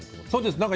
そうです。